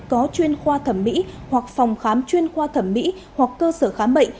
có chuyên khoa thẩm mỹ hoặc phòng khám chuyên khoa thẩm mỹ hoặc cơ sở khám bệnh